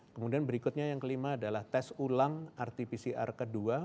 kemudian berikutnya yang kelima adalah tes ulang rt pcr kedua